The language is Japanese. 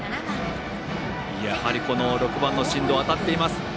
やはり、この６番の進藤当たっています。